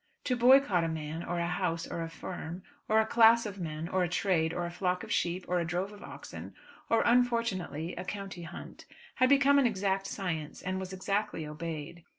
To boycott a man, or a house, or a firm, or a class of men, or a trade, or a flock of sheep, or a drove of oxen, or unfortunately a county hunt, had become an exact science, and was exactly obeyed.